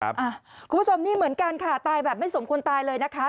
คุณผู้ชมนี่เหมือนกันค่ะตายแบบไม่สมควรตายเลยนะคะ